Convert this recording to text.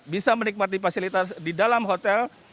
bisa menikmati fasilitas di dalam hotel